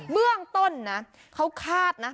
เบื้องต้นนะเขาคาดนะ